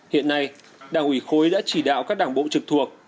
hiện nay đảng ủy khối đã chỉ đạo các đảng bộ trực thuộc